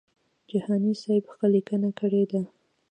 جهاني سیب ښه لیکنه کړې ده.